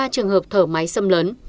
hai mươi ba trường hợp thở máy xâm lấn